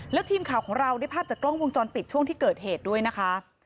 แล้วทีมข่าวของเราได้ภาพจากกล้องวงจรปิดช่วงที่เกิดเหตุด้วยนะคะ